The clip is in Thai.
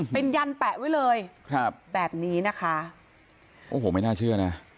เป็นยันแปะไว้เลยครับแบบนี้นะคะโอ้โหไม่น่าเชื่อนะ